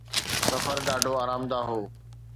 سفر ڏاڍو آرامده هو.